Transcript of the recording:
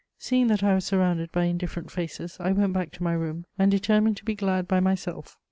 Seeing that I was surrounded by indifferent faces, I went back to my room, and determined to be glad by myself.